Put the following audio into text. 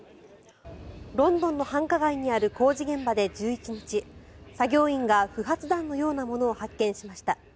ロンドンの繁華街にある工事現場で１１日作業員が不発弾のようなものを発見しました。